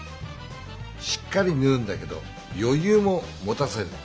しっかりぬうんだけどよゆうも持たせる。